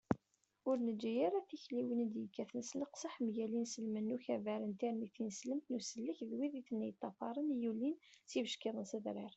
ur neǧǧi ara tikliwin i d-yekkaten s leqseḥ mgal inselmen n ukabar n tirni tineslemt n usellek d wid i ten-yeṭṭafaṛen i yulin s yibeckiḍen s adrar